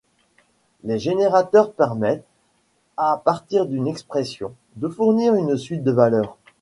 Les générateurs permettent, à partir d'une expression, de fournir une suite de valeurs.